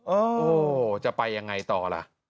โอ้โหจะไปยังไงต่อล่ะ